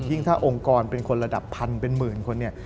ถ้าองค์กรเป็นคนระดับพันเป็นหมื่นคนเนี่ย